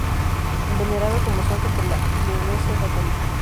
Es venerado como santo por la Iglesia católica.